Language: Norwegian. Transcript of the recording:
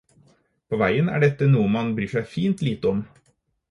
På veien er dette noe man bryr seg fint lite om.